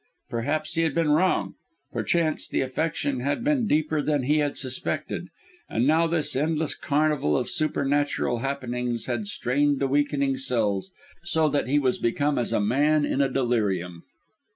perhaps he had been wrong perchance the affection had been deeper than he had suspected; and now this endless carnival of supernatural happenings had strained the weakened cells, so that he was become as a man in a delirium!